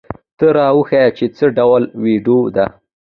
ته را وښیه چې څه ډول ویډیو ده؟